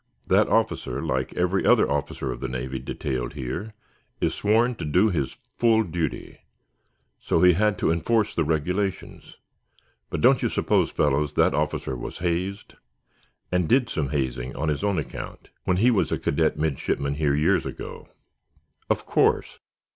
That officer, like every other officer of the Navy detailed here, is sworn to do his full duty. So he has to enforce the regulations. But don't you suppose, fellows, that officer was hazed, and did some hazing on his own account, when he was a cadet midshipman here years ago? Of course!